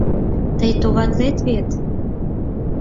Тый товатлет вет?